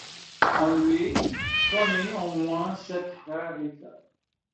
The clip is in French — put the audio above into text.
On lui connaît au moins sept frères et sœurs.